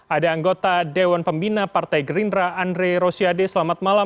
ada anggota dewan pembina partai gerindra andre rosiade selamat malam